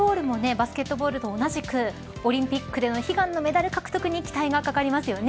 バスケットボールと同じくオリンピックでの悲願のメダル獲得に期待がかかりますよね。